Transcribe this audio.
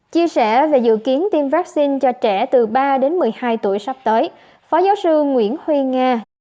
chia sẻ về dự kiến tiêm vaccine cho trẻ từ ba đến một mươi hai tuổi sắp tới phó giáo sư nguyễn huy nga